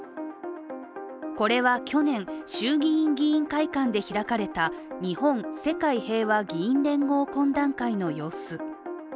これは去年、衆議院議員会館で開かれた日本・世界平和議員連合懇談会の様子。